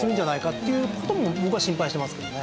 っていう事も僕は心配してますけどね。